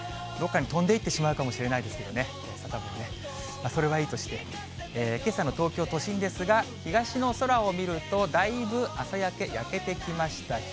どっかに飛んでいってしまうかもしれないですけどね、サタボーね、それはいいとして、けさの東京都心ですが、東の空を見ると、だいぶ朝焼け、焼けてきました。